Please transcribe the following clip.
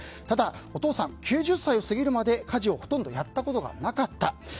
ただ、お父さん９０歳を過ぎるまで家事をほとんどやったことがなかった。